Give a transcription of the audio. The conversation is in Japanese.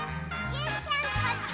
ちーちゃんこっち！